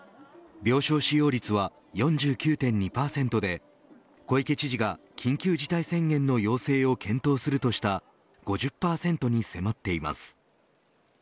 病床使用率は４９．２％で小池知事が緊急事態宣言の要請を検討するとした５０％に迫っています。